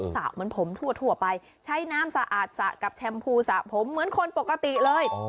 เหมือนผมทั่วไปใช้น้ำสะอาดสะกับแชมพูสระผมเหมือนคนปกติเลย